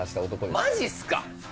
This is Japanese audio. そうマジっすか？